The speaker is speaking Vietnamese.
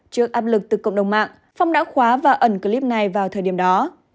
trước áp lực từ cộng đồng mạng phong đã khóa và ẩn clip này vào thời điểm đó